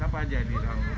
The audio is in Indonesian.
siapa aja di dalam rumah